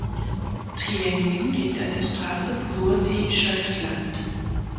Triengen liegt an der Strasse Sursee–Schöftland.